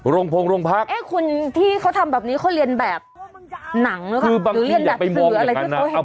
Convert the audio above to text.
โรงพงศ์โรงพักษณ์เอ๊ะคุณที่เขาทำแบบนี้เขาเรียนแบบหนังหรือเปล่าคือบางทีอยากไปมองอย่างงั้นนะเอ้า